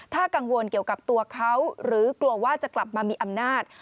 ถ้ากังวลเกี่ยวกับตัวเขาหรือกลัวว่าจะกลับมามีอำนาจ